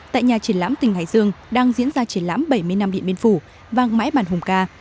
tại nhà triển lãm tỉnh hải dương đang diễn ra triển lãm bảy mươi năm địa biên phủ